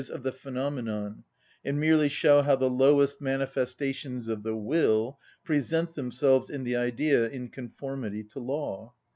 _, of the phenomenon, and merely show how the lowest manifestations of the will present themselves in the idea in conformity to law.